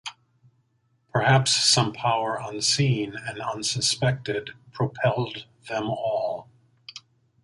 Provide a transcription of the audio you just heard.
Perhaps some power unseen and unsuspected, propelled them all.